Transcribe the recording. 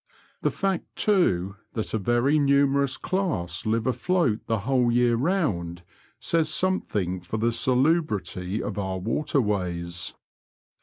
The fact, too, that a rery numerous class live afloat the whole yecff round says something for the salubrity of our waterways.